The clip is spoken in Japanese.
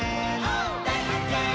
「だいはっけん！」